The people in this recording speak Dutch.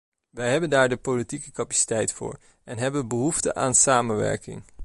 Wij hebben daar de politieke capaciteit voor en hebben behoefte aan samenwerking.